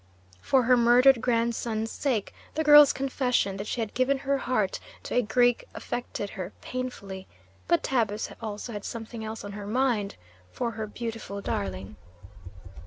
For her murdered grandson's sake the girl's confession that she had given her heart to a Greek affected her painfully; but Tabus also had something else on her mind for her beautiful darling.